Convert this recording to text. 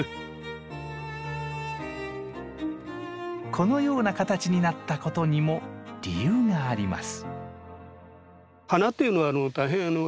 このような形になったことにも理由があります。